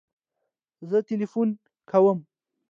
زه تلیفون کوم